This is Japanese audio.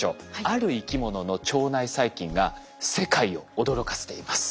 ある生き物の腸内細菌が世界を驚かせています。